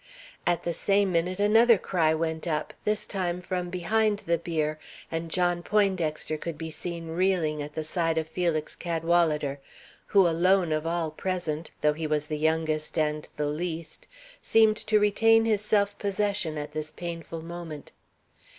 "At the same minute another cry went up, this time from behind the bier, and John Poindexter could be seen reeling at the side of Felix Cadwalader, who alone of all present (though he was the youngest and the least) seemed to retain his self possession at this painful moment.